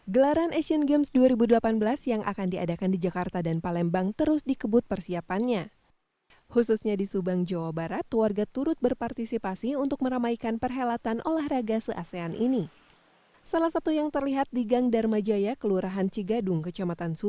gelaran asian games dua ribu delapan belas yang akan diadakan di jakarta dan palembang terus dikebut persiapannya